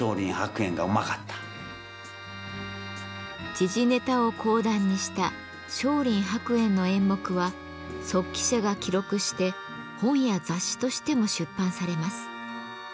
時事ネタを講談にした松林伯圓の演目は速記者が記録して本や雑誌としても出版されます。